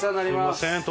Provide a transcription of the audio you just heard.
すみません